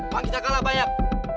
bang kita kalah banyak